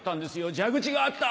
蛇口があった！